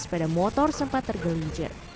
sepeda motor sempat tergelijir